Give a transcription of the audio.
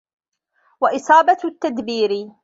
وَإِصَابَةِ التَّدْبِيرِ